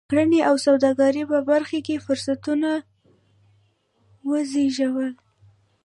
د کرنې او سوداګرۍ په برخه کې فرصتونه وزېږول.